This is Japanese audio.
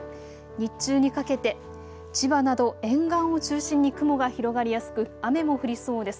日中にかけて千葉など沿岸を中心に雲が広がりやすく雨も降りそうです。